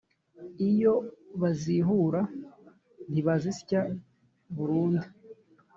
Iyo bazihura ntibazisya burundu,